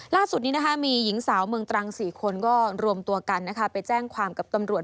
ล่าสุดนี้นะคะมีหญิงสาวเมืองตรัง๔คนก็รวมตัวกันไปแจ้งความกับตำรวจ